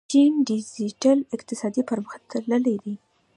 چین ډیجیټل اقتصاد پرمختللی دی.